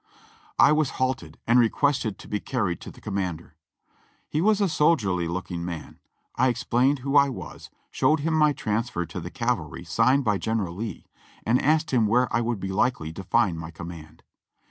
I was halted, and requested to be carried to the commander. He was a soldierly looking man. I explained who I was, showed him my transfer to the cavalry signed by General Lee, and asked him where I would be likely to find my command.